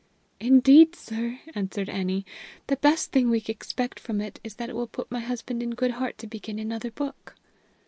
"Indeed, sir," answered Annie, "the best thing we expect from it is that it will put my husband in good heart to begin another book."